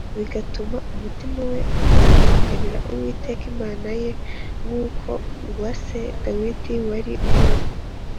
bigatuma umutima we utagitunganira Uwiteka Imana ye nk’uko uwa se Dawidi wari umeze